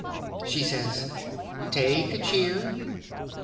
She says: "Take a cheer."